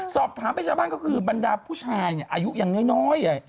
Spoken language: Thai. สอบถามไปชาวบ้านก็คือบรรดาผู้ชายเนี่ยอายุยังน้อย